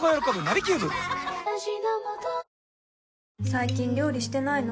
最近料理してないの？